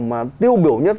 mà tiêu biểu nhất